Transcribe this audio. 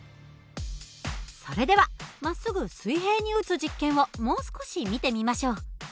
それではまっすぐ水平に撃つ実験をもう少し見てみましょう。